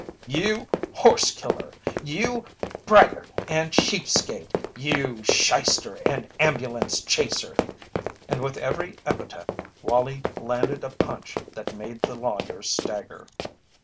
"You horse killer! You braggart and cheapskate! You shyster and ambulance chaser!" And with every epithet Wallie landed a punch that made the lawyer stagger.